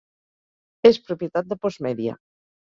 És propietat de Postmedia.